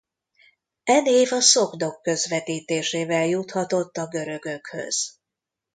E név a szogdok közvetítésével juthatott a görögökhöz.